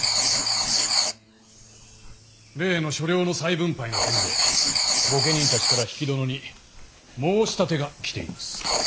例の所領の再分配の件で御家人たちから比企殿に申し立てが来ています。